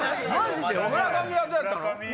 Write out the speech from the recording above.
村上はどうやったの？